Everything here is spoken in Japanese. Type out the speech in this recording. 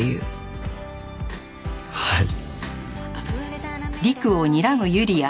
はい。